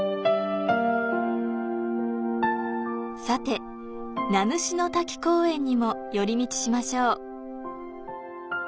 さて、名主の滝公園にも寄り道しましょう。